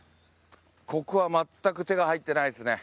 ここは全く手が入ってないですね。